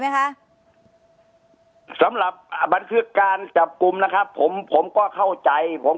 ไหมคะสำหรับอ่าบันทึกการจับกลุ่มนะครับผมผมก็เข้าใจผม